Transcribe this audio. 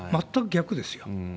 全く逆ですよ。